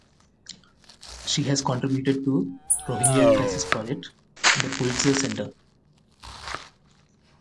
She has contributed to Rohingya Crisis project at the Pulitzer Center.